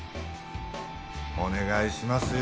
お願いしますよ